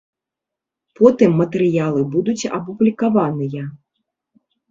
Потым матэрыялы будуць апублікаваныя.